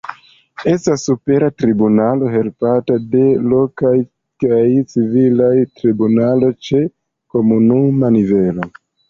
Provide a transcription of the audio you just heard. Estas Supera Tribunalo, helpata de lokaj kaj civilaj tribunaloj ĉe komunuma nivelo.